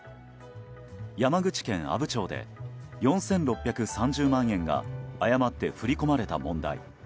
山口県阿武町で４６３０万円が誤って振り込まれた問題。